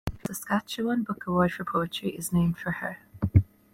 The Saskatchewan Book Award for Poetry is named for her.